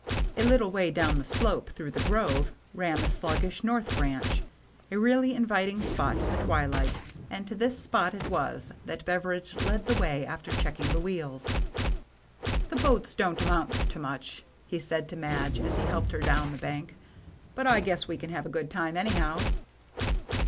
A little way down the slope, through the grove, ran the sluggish North Branch, a really inviting spot in the twilight; and to this spot it was that Beveridge led the way after checking the wheels. " The boats don't amount to much," he said to Madge, as he helped her down the bank^ ^^ but I guess we can have a good time, anyhow."